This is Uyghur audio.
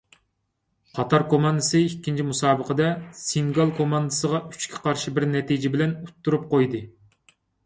قاتار كوماندىسى ئىككىنچى مۇسابىقىسىدە سېنېگال كوماندىسىغا ئۈچكە قارشى بىر نەتىجە بىلەن ئۇتتۇرۇپ قويدى.